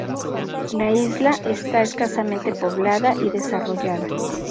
La isla está escasamente poblada y desarrollada.